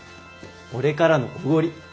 俺からのおごり。